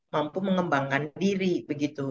mampu mengembangkan diri begitu